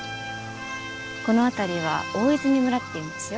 この辺りは大泉村っていうんですよ。